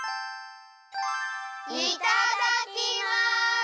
いただきます！